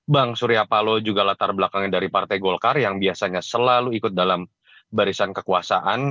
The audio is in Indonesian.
bang surya paloh juga latar belakangnya dari partai golkar yang biasanya selalu ikut dalam barisan kekuasaan